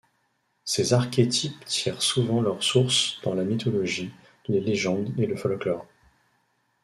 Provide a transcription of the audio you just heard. Ces archétypes tirent souvent leur source dans la mythologie, les légendes et le folklore.